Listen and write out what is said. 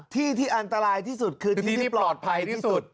ที่ที่อันตรายที่สุดคือที่ที่ปลอดภัยที่สุด